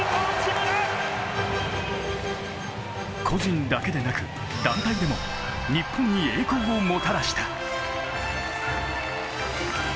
個人だけでなく、団体でも、日本に栄光をもたらした。